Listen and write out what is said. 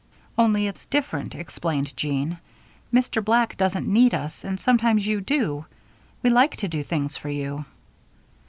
"Only it's different," explained Jean. "Mr. Black doesn't need us, and sometimes you do. We like to do things for you."